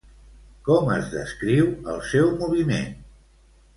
Com es descriu el seu moviment?